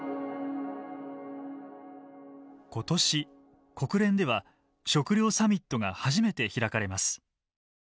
今年国連では食料サミットが初めて開かれます。